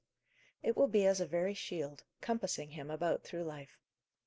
It will be as a very shield, compassing him about through life.